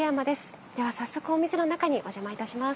では早速お店の中にお邪魔いたします。